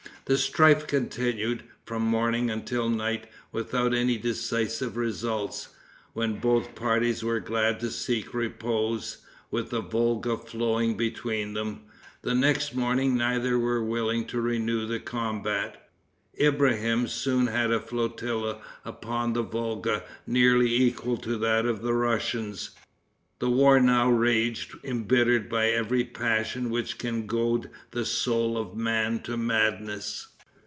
The strife continued, from morning until night, without any decisive results, when both parties were glad to seek repose, with the Volga flowing between them. The next morning neither were willing to renew the combat. Ibrahim soon had a flotilla upon the Volga nearly equal to that of the Russians. The war now raged, embittered by every passion which can goad the soul of man to madness.